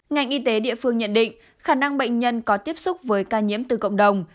ngành y tế địa phương nhận định khả năng bệnh nhân có tiếp xúc với ca nhiễm từ cộng đồng